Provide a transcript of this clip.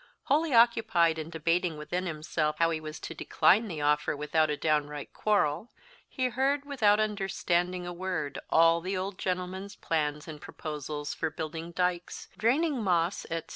Wholly occupied in debating within himself how he was to decline the offer without a downright quarrel, he heard, without understanding a word, all the old gentleman's plans and proposals for building dikes, draining moss, etc.